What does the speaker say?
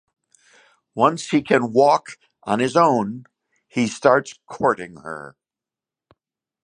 Once he can walk on his own, he starts courting her.